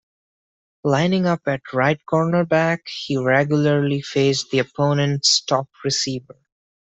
Lining up at right cornerback, he regularly faced the opponent's top receiver.